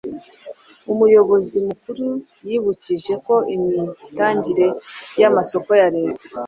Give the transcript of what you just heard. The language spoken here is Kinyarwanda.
Umuyobozi Mukuru yibukije ko imitangire y’amasoko ya Leta